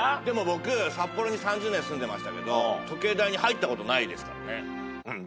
でも僕札幌に３０年住んでましたけど時計台に入ったことないですからね。